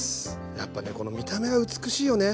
やっぱねこの見た目が美しいよね。